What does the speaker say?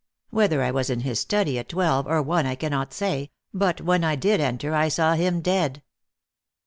Whether I was in his study at twelve or one I cannot say, but when I did enter I saw him dead."